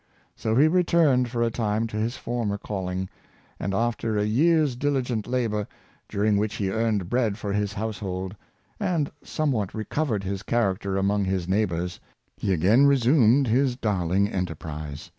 So he returned for a time to his former calling; and after a year's dili gent labor, during which he earned bread for his house Perfects the Enamel, 201 hold, and somewhat recovered his character among his neighbors, he again resumed his darHng enterprise.